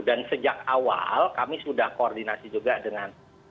dan sejak awal kami sudah koordinasi juga dengan bukabersama ya